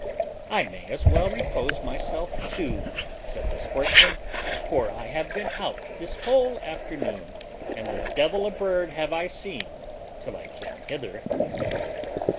"I may as well repose myself too," said the sportsman, "for I have been out this whole afternoon, and the devil a bird have I seen till I came hither."